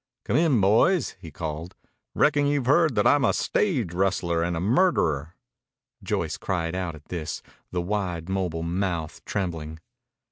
"Come in, boys," he called. "Reckon you've heard that I'm a stage rustler and a murderer." Joyce cried out at this, the wide, mobile mouth trembling.